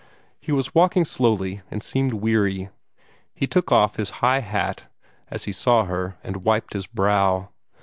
He was walking slowly, and seemed weary. He took off his high hat, as he saw her, and wiped his brow.